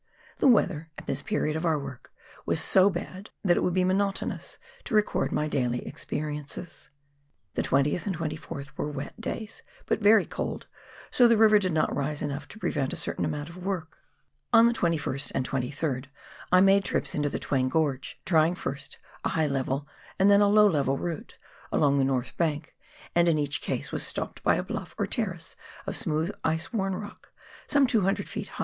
The weather, at this period of our work, was so bad that it would be monotonous to record my daily experiences. The 20th to 24th were wet days, but very cold, so the river did not rise enough to pre vent a certain amount of work ; on the 21st and 23rd I made trips into the Twain Gorge, trying first a high level, and then a low level route, along the north bank, and, in each case, was stopped by a bluff or terrace of smooth ice worn rock, some 200 ft.